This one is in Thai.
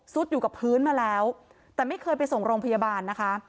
อยู่กับพื้นมาแล้วแต่ไม่เคยไปส่งโรงพยาบาลนะคะ